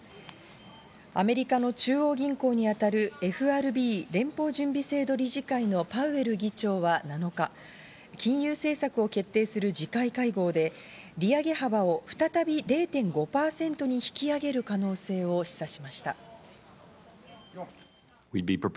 アメリカの中央銀行に当たるＦＲＢ＝連邦準備制度理事会のパウエル議長は７日、金融政策を決定する次回会合で、利上げ幅を再び０．５％に引き上げる可能性を示唆しました。